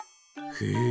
へえ。